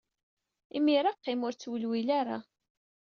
Imir-a, qqim, ur ttewliwil ara.